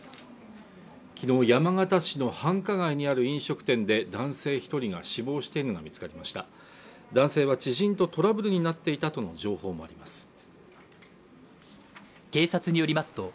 きのう山形市の繁華街にある飲食店で男性一人が死亡しているのが見つかりました男性は知人とトラブルになっていたとの情報もあります